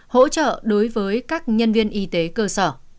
hỗ trợ đối với các nhân viên y tế cơ sở